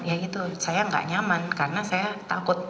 ya itu saya nggak nyaman karena saya takut